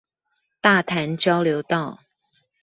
大潭交流道